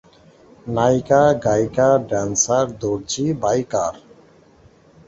নায়িকা, গায়িকা, ড্যান্সার, দর্জি, বাইকার।